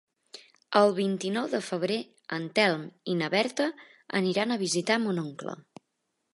El vint-i-nou de febrer en Telm i na Berta aniran a visitar mon oncle.